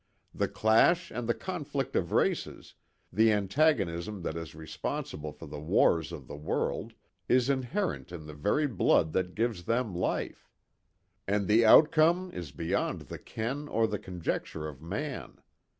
The clash and the conflict of races the antagonism that is responsible for the wars of the world is inherent in the very blood that gives them life. And the outcome is beyond the ken or the conjecture of man.